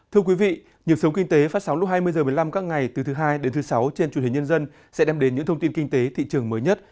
thưa quý vị nhiệm sống kinh tế phát sóng lúc hai mươi h một mươi năm các ngày từ thứ hai đến thứ sáu trên truyền hình nhân dân sẽ đem đến những thông tin kinh tế thị trường mới nhất